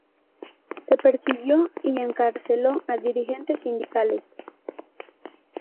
Se persiguió y encarceló a dirigentes sindicales.